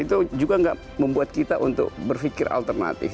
itu juga nggak membuat kita untuk berpikir alternatif